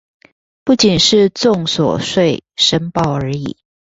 不僅是綜所稅申報而已